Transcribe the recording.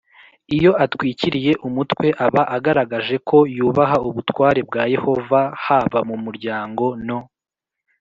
Iyo atwikiriye umutwe aba agaragaje ko yubaha ubutware bwa Yehova haba mu muryango no